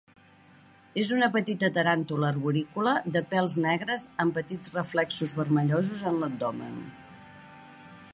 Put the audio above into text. És una petita taràntula arborícola de pèls negres amb petits reflexos vermellosos en l'abdomen.